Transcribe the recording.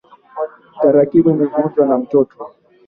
Tarakimu imevunjwa na mtoto.